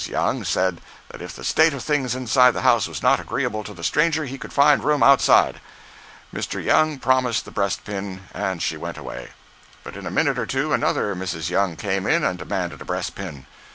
Young said that if the state of things inside the house was not agreeable to the stranger, he could find room outside. Mr. Young promised the breast pin, and she went away. But in a minute or two another Mrs. Young came in and demanded a breast pin.